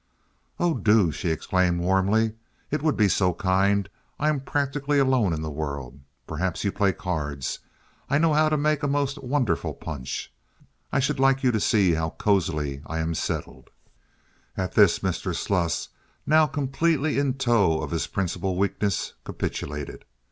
"Oh, do!" she exclaimed, warmly. "It would be so kind. I am practically alone in the world. Perhaps you play cards. I know how to make a most wonderful punch. I should like you to see how cozily I am settled." At this Mr. Sluss, now completely in tow of his principal weakness, capitulated.